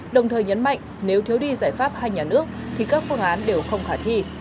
đồng thời nhấn mạnh nếu thiếu đi giải pháp hai nhà nước thì các phương án đều không khả thi